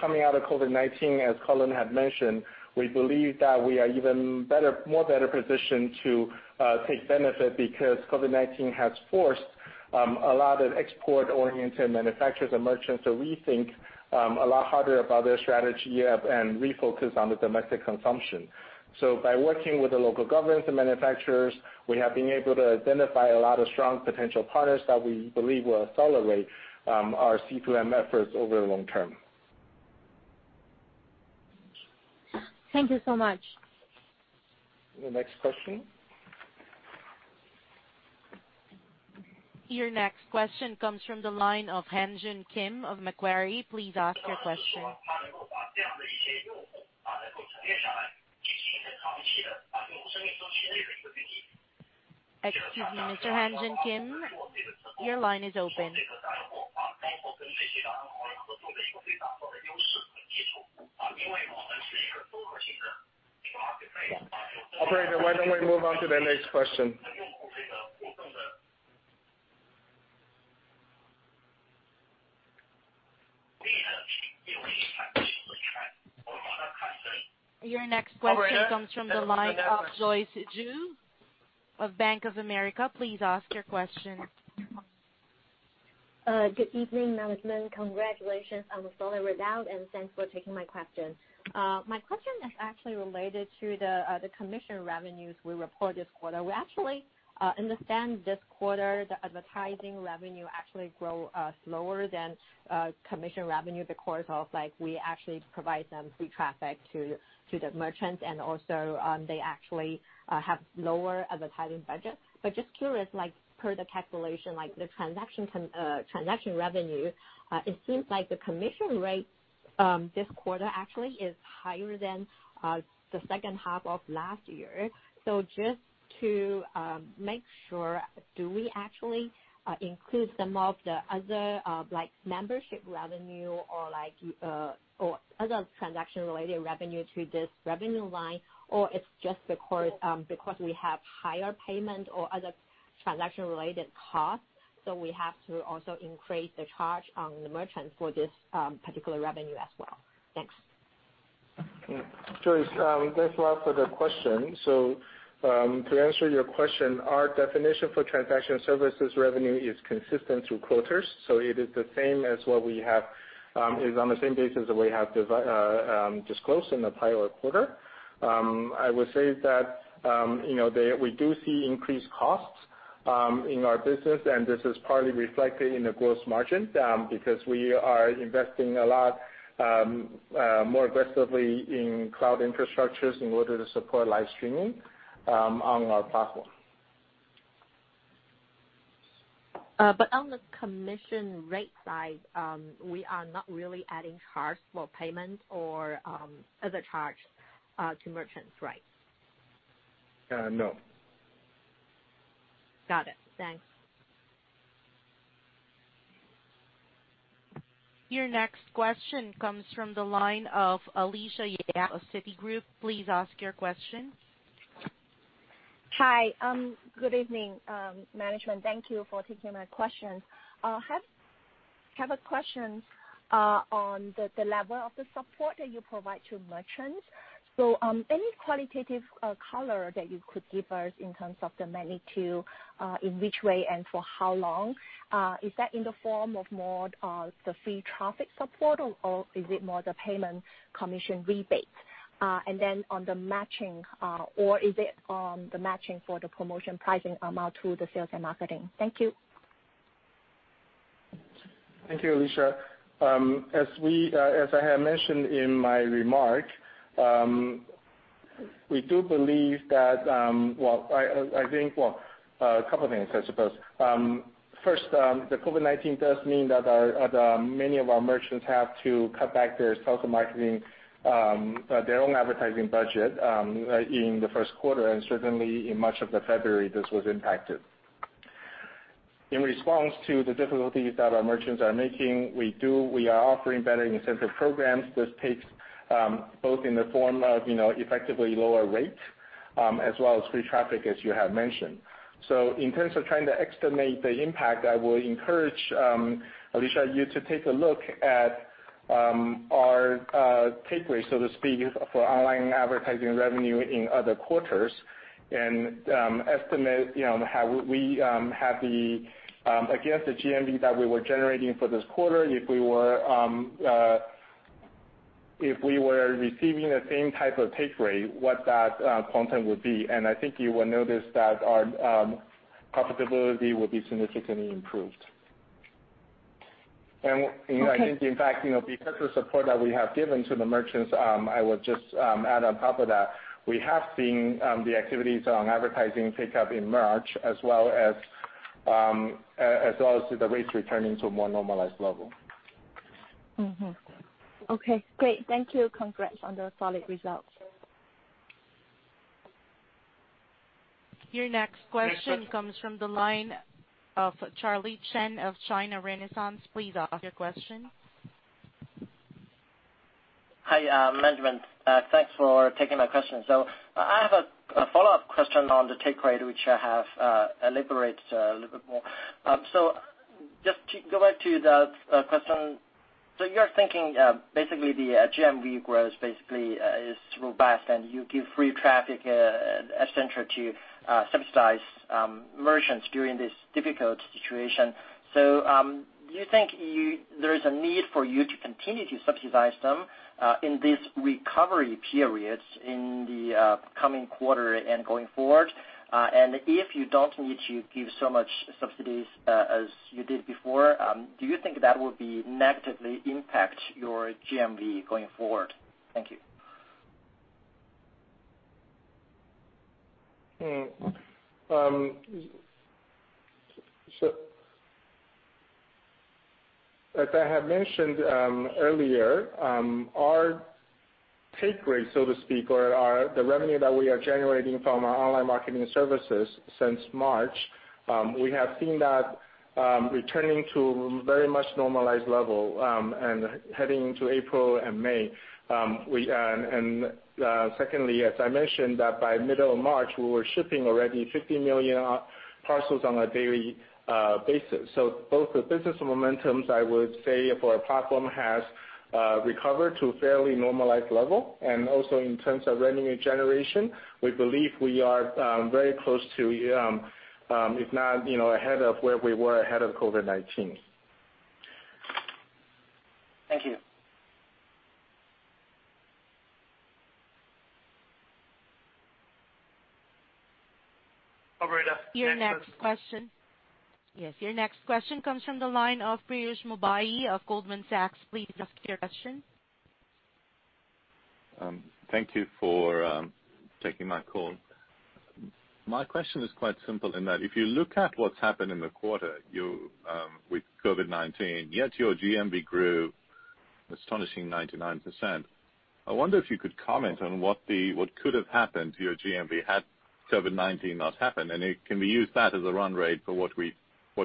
coming out of COVID-19, as Colin had mentioned, we believe that we are even better, more better positioned to take benefit because COVID-19 has forced a lot of export-oriented manufacturers and merchants to rethink a lot harder about their strategy and refocus on the domestic consumption. By working with the local governments and manufacturers, we have been able to identify a lot of strong potential partners that we believe will accelerate our C2M efforts over the long term. Thank you so much. The next question. Your next question comes from the line of Han Joon Kim of Macquarie. Please ask your question. Excuse me, Mr. Han Joon Kim. Your line is open. Operator, why don't we move on to the next question? Your next question comes from the line of Joyce Ju of Bank of America. Please ask your question. Good evening, management. Congratulations on the solid result, and thanks for taking my question. My question is actually related to the commission revenues we report this quarter. We actually understand this quarter, the advertising revenue actually grow slower than commission revenue, the course of like we actually provide some free traffic to the merchants, and also, they actually have lower advertising budget. Just curious, like per the calculation, like the transaction can transaction revenue, it seems like the commission rate this quarter actually is higher than the second half of last year. Just to make sure, do we actually include some of the other, like membership revenue or like, or other transaction-related revenue to this revenue line, or it's just because we have higher payment or other transaction-related costs, so we have to also increase the charge on the merchant for this particular revenue as well? Thanks. Joyce, thanks a lot for the question. To answer your question, our definition for transaction services revenue is consistent through quarters, so it is the same as what we have, is on the same basis that we have, disclosed in the prior quarter. I would say that, you know, the we do see increased costs in our business, and this is partly reflected in the gross margin, because we are investing a lot, more aggressively in cloud infrastructures in order to support live streaming, on our platform. On the commission rate side, we are not really adding charge for payment or, other charge, to merchants, right? No. Got it. Thanks. Your next question comes from the line of Alicia Yap of Citigroup. Please ask your question. Hi. Good evening, management. Thank you for taking my question. I have a question on the level of the support that you provide to merchants. Any qualitative color that you could give us in terms of the magnitude, in which way and for how long? Is that in the form of more the free traffic support or is it more the payment commission rebates? On the matching, or is it the matching for the promotion pricing amount to the sales and marketing? Thank you. Thank you, Alicia. As we, as I have mentioned in my remark, we do believe that, well, I think, well, a couple of things I suppose. First, the COVID-19 does mean that our many of our merchants have to cut back their sales and marketing, their own advertising budget, in the first quarter, and certainly in much of the February, this was impacted. In response to the difficulties that our merchants are making, we are offering better incentive programs. This takes, both in the form of, you know, effectively lower rate, as well as free traffic as you have mentioned. In terms of trying to estimate the impact, I would encourage Alicia, you to take a look at our take rate, so to speak, for online advertising revenue in other quarters and estimate, you know, how we have the, I guess, the GMV that we were generating for this quarter. If we were receiving the same type of take rate, what that content would be. I think you will notice that our profitability will be significantly improved. Okay. I think, in fact, you know, because the support that we have given to the merchants, I would just add on top of that, we have seen the activities on advertising pick up in March as well as the rates returning to a more normalized level. Okay, great. Thank you. Congrats on the solid results. Your next question comes from the line of Charlie Chen of China Renaissance. Please ask your question. Hi, management. Thanks for taking my question. I have a follow-up question on the take rate, which I have elaborated a little bit more. Just to go back to the question. You're thinking basically the GMV growth is robust, and you give free traffic as center to subsidize merchants during this difficult situation. Do you think there is a need for you to continue to subsidize them in this recovery periods in the coming quarter and going forward? If you don't need to give so much subsidies as you did before, do you think that would be negatively impact your GMV going forward? Thank you. As I have mentioned earlier, our take rate, so to speak, or our the revenue that we are generating from our online marketing services since March, we have seen that returning to very much normalized level and heading into April and May. Secondly, as I mentioned that by middle of March, we were shipping already 50 million parcels on a daily basis. Both the business momentums, I would say for our platform has recovered to a fairly normalized level. Also in terms of revenue generation, we believe we are very close to, if not, you know, ahead of where we were ahead of COVID-19. Thank you. Operator, next. Your next question. Yes, your next question comes from the line of Piyush Mubayi of Goldman Sachs. Please ask your question. Thank you for taking my call. My question is quite simple in that if you look at what's happened in the quarter, you, with COVID-19, yet your GMV grew astonishing 99%. I wonder if you could comment on what could have happened to your GMV had COVID-19 not happened. Can we use that as a run rate for what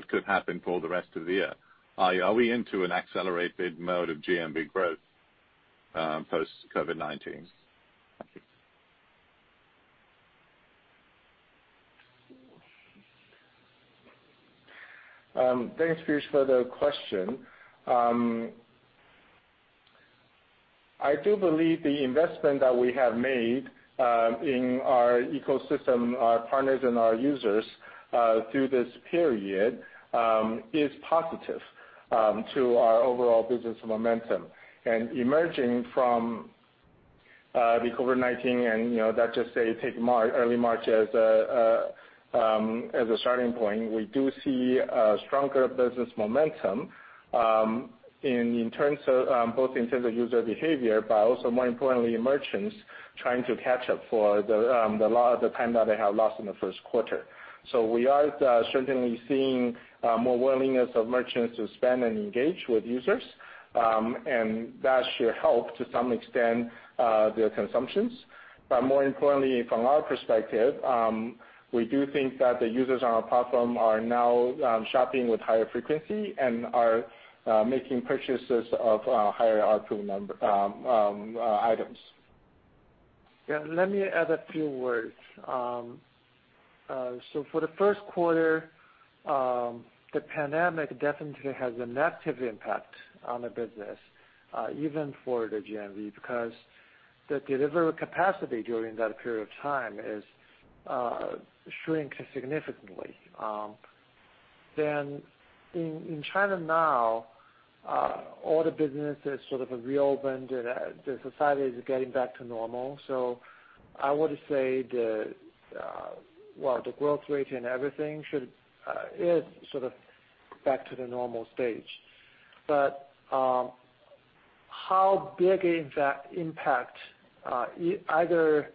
could happen for the rest of the year? Are we into an accelerated mode of GMV growth post-COVID-19? Thank you. Thanks, Piyush, for the question. I do believe the investment that we have made, in our ecosystem, our partners and our users, through this period, is positive to our overall business momentum. Emerging from the COVID-19 and, you know, that just say take early March as a starting point. We do see a stronger business momentum, in terms of both in terms of user behavior, but also more importantly, merchants trying to catch up for the lot of the time that they have lost in the first quarter. We are certainly seeing more willingness of merchants to spend and engage with users, and that should help to some extent, their consumptions. More importantly, from our perspective, we do think that the users on our platform are now shopping with higher frequency and are making purchases of higher ARPU items. Yeah, let me add a few words. For the first quarter, the pandemic definitely has a negative impact on the business, even for the GMV because the delivery capacity during that period of time is shrink significantly. In China now, all the business is sort of reopened and the society is getting back to normal. I would say the well, the growth rate and everything should is sort of back to the normal stage. How big is that impact, either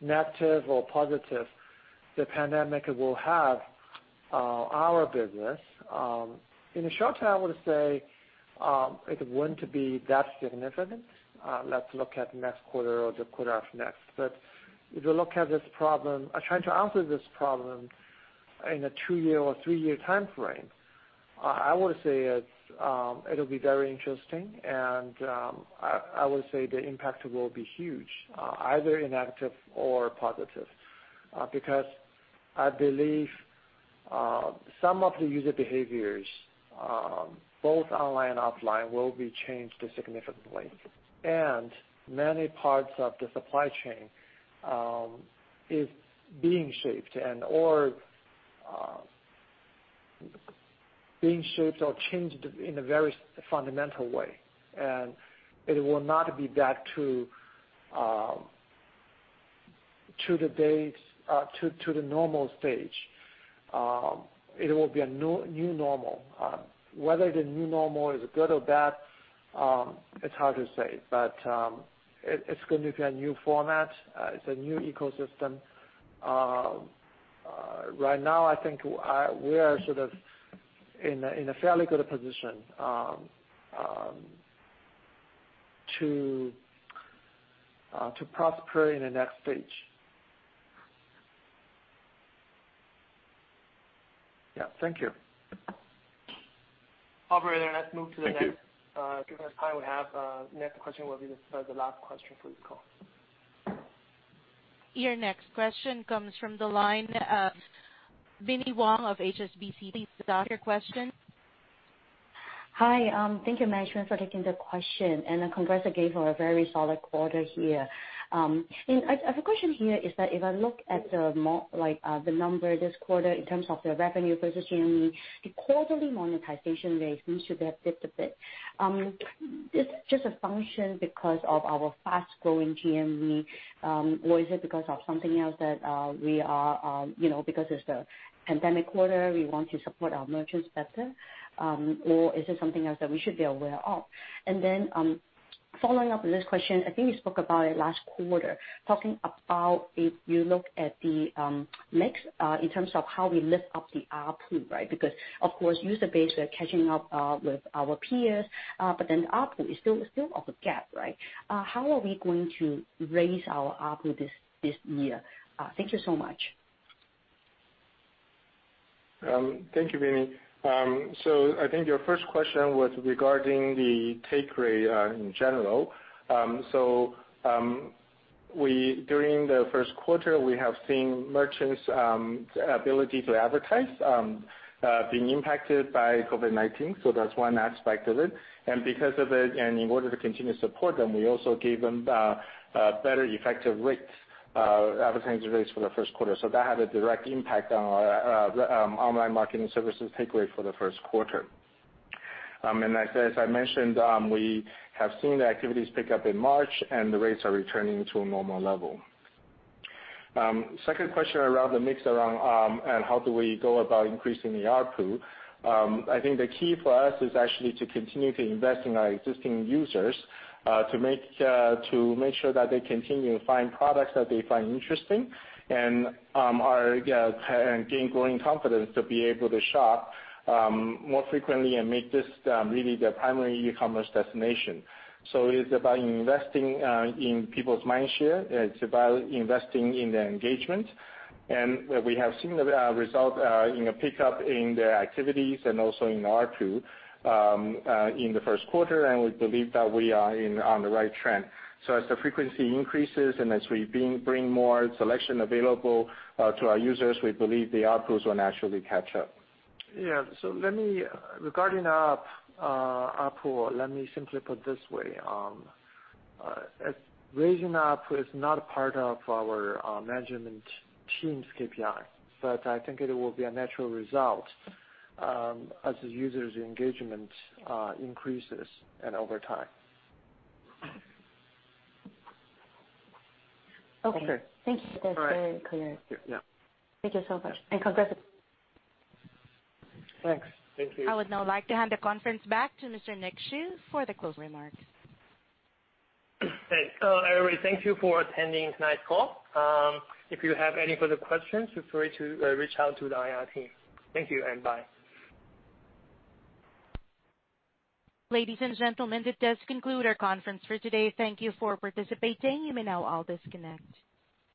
negative or positive, the pandemic will have our business, in the short term, I would say, it wouldn't to be that significant. Let's look at next quarter or the quarter after next. If you look at this problem or trying to answer this problem in a two-year or three-year timeframe, I would say it'll be very interesting and I would say the impact will be huge, either negative or positive. Because I believe some of the user behaviors, both online and offline, will be changed significantly. Many parts of the supply chain is being shaped or changed in a very fundamental way. It will not be back to the days, to the normal stage. It will be a new normal. Whether the new normal is good or bad, it's hard to say. It's going to be a new format. It's a new ecosystem. Right now, I think, we are sort of in a fairly good position to prosper in the next stage. Yeah. Thank you. Operator, let's move to the next. Thank you. Given the time we have, next question will be the last question for this call. Your next question comes from the line of Binnie Wong of HSBC. Please start your question. Hi. Thank you management for taking the question, and congrats again for a very solid quarter here. I have a question here is that if I look at the number this quarter in terms of the revenue versus GMV, the quarterly monetization rate seems to have dipped a bit. Is this just a function because of our fast-growing GMV, or is it because of something else that we are, you know, because it's the pandemic quarter, we want to support our merchants better? Or is it something else that we should be aware of? Following up on this question, I think you spoke about it last quarter, talking about if you look at the mix in terms of how we lift up the ARPU, right? Of course, user base, we are catching up with our peers, but then the ARPU is still have a gap, right? How are we going to raise our ARPU this year? Thank you so much. Thank you, Binnie. I think your first question was regarding the take rate in general. During the first quarter, we have seen merchants' ability to advertise being impacted by COVID-19, so that's one aspect of it. Because of it, and in order to continue to support them, we also gave them better effective rates, advertising rates for the first quarter. That had a direct impact on our online marketing services take rate for the first quarter. As I mentioned, we have seen the activities pick up in March, and the rates are returning to a normal level. Second question around the mix around, and how do we go about increasing the ARPU. I think the key for us is actually to continue to invest in our existing users, to make sure that they continue to find products that they find interesting and gain growing confidence to be able to shop more frequently and make this really their primary e-commerce destination. It's about investing in people's mindshare. It's about investing in their engagement. We have seen the result in a pickup in their activities and also in ARPU in the first quarter, and we believe that we are on the right trend. As the frequency increases and as we bring more selection available to our users, we believe the ARPUs will naturally catch up. Yeah. Let me regarding ARPU, let me simply put this way. Raising ARPU is not a part of our management team's KPI, but I think it will be a natural result as the users' engagement increases and over time. Okay. Okay. Thank you. All right. That's very clear. Yeah. Thank you so much, and congrats again. Thanks. Thank you. I would now like to hand the conference back to Mr. Nick Shu for the closing remarks. Thanks. Everybody, thank you for attending tonight's call. If you have any further questions, feel free to reach out to the IR team. Thank you and bye. Ladies and gentlemen, that does conclude our conference for today. Thank you for participating. You may now all disconnect.